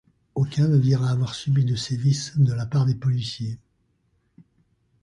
Aucun ne dira avoir subi de sévices de la part des policiers.